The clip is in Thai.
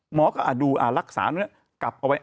หมอก็ดูรักษาเนื้อกลับเอาไว้